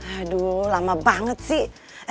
aduh lama banget sih